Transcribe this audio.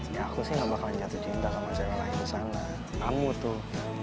ya aku sih gak bakalan jatuh cinta sama cewek lain disana kamu tuh